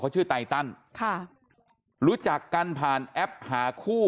ชื่อไตตันค่ะรู้จักกันผ่านแอปหาคู่